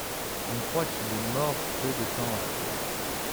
On croit qu'il est mort peu de temps après.